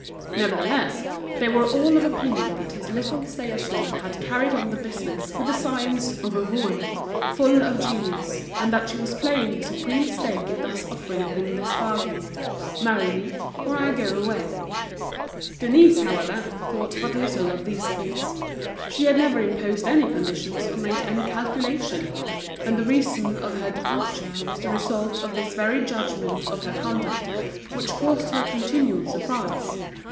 Nevertheless, they were all of opinion that this little saleswoman had carried on the business with the science of a rouée, full of genius, and that she was playing the supreme stake in thus offering him this bargain: Marry me or I go away. Denise, however, thought but little of these things. She had never imposed any conditions or made any calculation. And the reason of her departure was the result of this very judgment of her conduct, which caused her continual surprise.